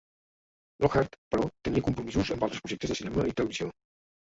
Lockhart, però, tenia compromisos amb altres projectes de cinema i televisió.